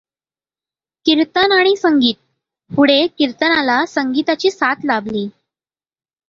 कीर्तन आणि संगीत पुढे कीर्तनाला संगीताची साथ लाभली.